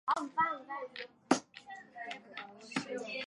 这都是还在争论中的问题。